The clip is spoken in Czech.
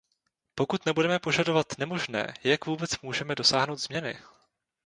Pokud nebudeme požadovat nemožné, jak vůbec můžeme dosáhnout změny?